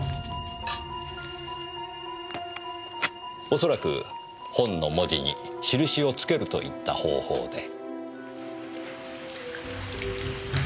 おそらく本の文字に印を付けるといった方法で。